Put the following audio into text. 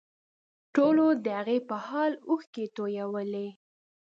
ټولو د هغې په حال اوښکې تویولې